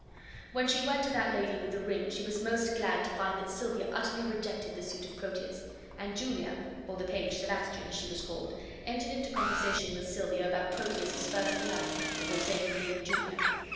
When she went to that lady with the ring she was most glad to find that Silvia utterly rejected the suit of Proteus; and Julia or the page Sebastian, as she was called, entered into conversation with Silvia about Proteus's first love, the forsaken Lady Julia.